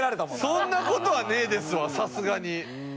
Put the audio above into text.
そんな事はねえですわさすがに。